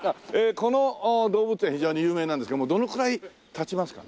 この動物園非常に有名なんですけどもどのくらい経ちますかね？